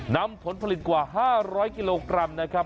นำผลผลิตกว่า๕๐๐กิโลกรัมนะครับ